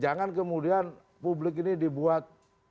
jangan kemudian publik ini dibuat